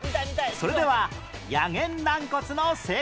それではやげん軟骨の正解